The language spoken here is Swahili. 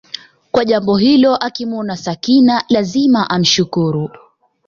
kwa jambo hilo akimwona Sakina lazima amshukuru